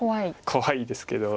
怖いですけど。